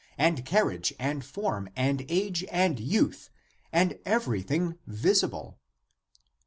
and carriage and form and age and youth and every thing visible.